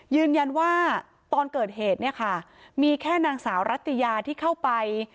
ยืนยันว่าตอนเกิดเหตุเนี่ยค่ะมีแค่นางสาวรัตยาที่เข้าไป